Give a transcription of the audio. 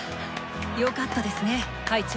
よかったですね会長。